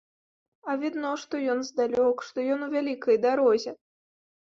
А відно, што ён здалёк, што ён у вялікай дарозе.